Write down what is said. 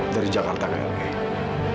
dari jakarta ke lk